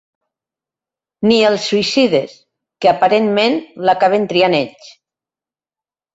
Ni els suïcides, que aparentment l'acaben triant ells.